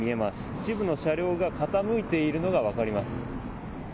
一部の車両が傾いているのが分かります。